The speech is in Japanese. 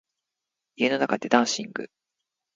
家の中でダンシング